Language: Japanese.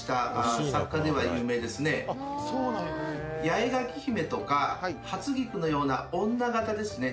「八重垣姫とか初菊のような女形ですね」